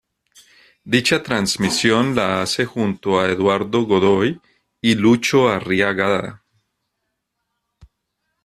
Dicha transmisión la hace junto a Eduardo Godoy y Lucho Arriagada.